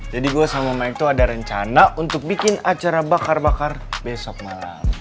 jadi gue sama mike tuh ada rencana untuk bikin acara bakar bakar besok malam